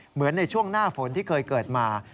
เหมือนในช่วงหน้าฝนที่เคยเกิดมา